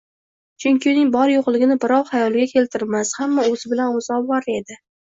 Chunki uning bor-yoʻqligini birov xayoliga keltirmas, hamma oʻzi bilan oʻzi ovora edi